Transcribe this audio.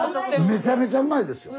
めちゃめちゃうまいですよ。